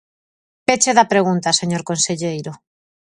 Peche da pregunta, señor conselleiro.